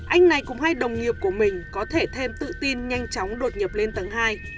anh này cùng hai đồng nghiệp của mình có thể thêm tự tin nhanh chóng đột nhập lên tầng hai